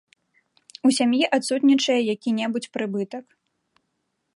У сям'і адсутнічае які-небудзь прыбытак.